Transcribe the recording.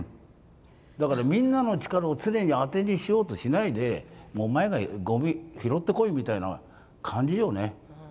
だからみんなの力を常にあてにしようとしないでお前がごみを拾ってこいみたいな感じよね。